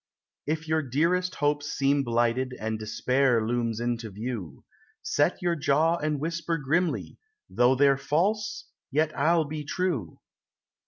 If your dearest hopes seem blighted and despair looms into view, Set your jaw and whisper grimly, "Though they're false, yet I'll be true."